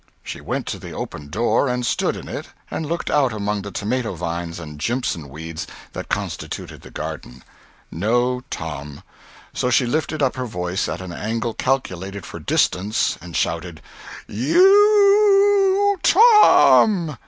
She went to the open door and stood in it and looked out among the tomato vines and "jimpson" weeds that constituted the garden. No Tom. So she lifted up her voice at an angle calculated for distance and shouted: "Y o u u TOM!"